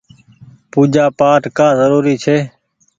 پوجآ پآٽ ڪآ زروري ڇي۔